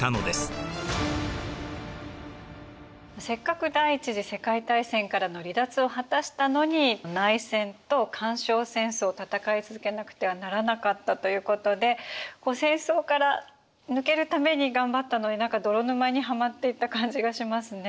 せっかく第一次世界大戦からの離脱を果たしたのに内戦と干渉戦争を戦い続けなくてはならなかったということで戦争から抜けるために頑張ったのに何か泥沼にはまっていった感じがしますね。